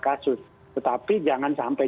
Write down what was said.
kasus tetapi jangan sampai